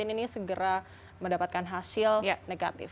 ini segera mendapatkan hasil negatif